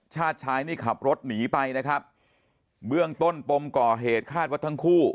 ชาติชายนี่ขับรถหนีไปนะครับเบื้องต้นปมก่อเหตุคาดว่าทั้งคู่